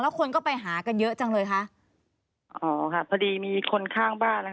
คนก็ไปหากันเยอะจังเลยคะอ๋อค่ะพอดีมีคนข้างบ้านนะคะ